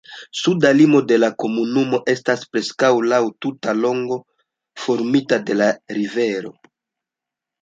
Suda limo de la komunumo estas preskaŭ laŭ tuta longo formita de la rivero.